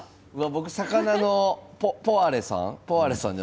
魚のポワレさん。